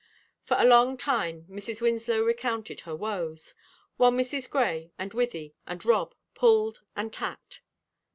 For a long time Mrs. Winslow recounted her woes, while Mrs. Grey and Wythie and Rob pulled and tacked.